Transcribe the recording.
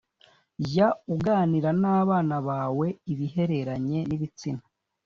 Jya uganira n abana bawe ibihereranye n ibitsina